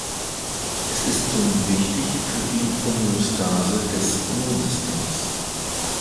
Es ist somit wichtig für die Homöostase des Immunsystems.